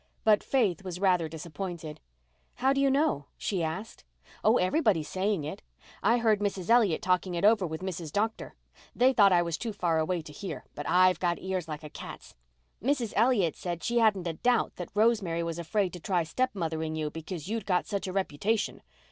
But Faith was rather disappointed. "How do you know?" she asked. "Oh, everybody's saying it. I heard Mrs. Elliott talking it over with Mrs. Doctor. They thought I was too far away to hear, but I've got ears like a cat's. Mrs. Elliott said she hadn't a doubt that Rosemary was afraid to try stepmothering you because you'd got such a reputation.